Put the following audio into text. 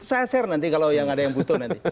saya share nanti kalau yang ada yang butuh nanti